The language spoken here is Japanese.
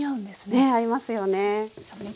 ねえ合いますよね。